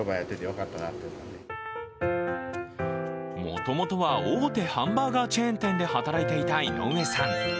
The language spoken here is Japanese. もともとは、大手ハンバーガーチェーン店で働いていた井上さん。